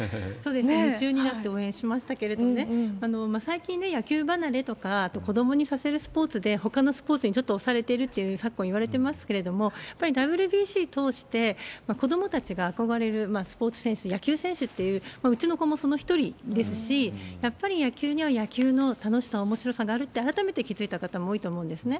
夢中になって応援しましたけれども、最近、野球離れとか、子どもにさせるスポーツで、ほかのスポーツにちょっと押されているっていうふうに昨今言われてますけれども、やっぱりＷＢＣ通して、子どもたちが憧れるスポーツ選手、野球選手っていう、うちの子もその一人ですし、やっぱり野球には野球の楽しさ、おもしろさがあるって、改めて気付いた方も多いと思うんですね。